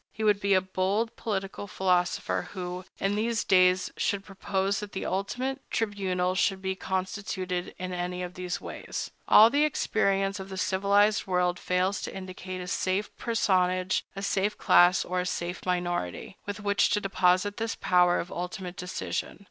He would be a bold political philosopher who, in these days, should propose that the ultimate tribunal should be constituted in any of these ways. All the experience of the civilized world fails to indicate a safe personage, a safe class, or a safe minority, with which to deposit this power of ultimate decision.